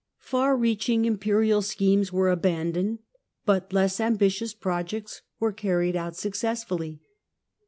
Far reaching imperial schemes were abandoned, but less ambitious projects were carried out successfully.